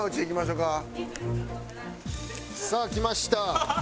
さあ来ました。